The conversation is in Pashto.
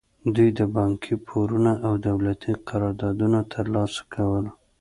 دوی د بانکي پورونه او دولتي قراردادونه ترلاسه کول.